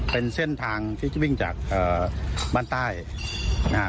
เป็นเส้นทางที่จะวิ่งจากบ้านใต้นะฮะ